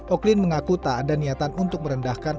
oklin mengaku tak ada niatan untuk merendahkan